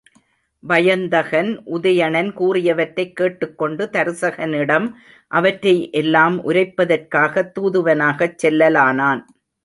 வயந்தகன், உதயணன் கூறியவற்றைக் கேட்டுக் கொண்டு, தருசகனிடம் அவற்றை எல்லாம் உரைப்பதற்காகத் தூதுவனாகச் செல்லலானான்.